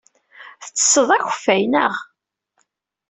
Tettessed akeffay, naɣ?